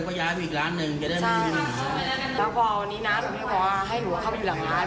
ก็ย้ายไปอีกร้านหนึ่งใช่แล้วพอวันนี้น้าตัวเนี่ยพอว่าให้หนูเข้าไปอยู่หลังร้าน